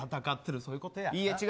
そういうことや。